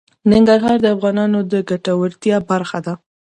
ننګرهار د افغانانو د ګټورتیا برخه ده.